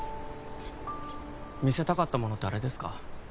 見せたかったものってあれですか？